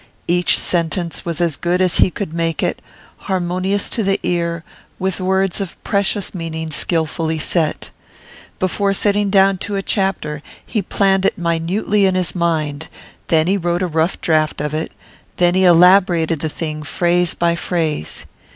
Each sentence was as good as he could make it, harmonious to the ear, with words of precious meaning skilfully set. Before sitting down to a chapter he planned it minutely in his mind; then he wrote a rough draft of it; then he elaborated the thing phrase by phrase.